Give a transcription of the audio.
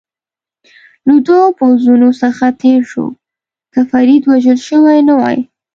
له دوو پوځونو څخه تېر شو، که فرید وژل شوی نه وای.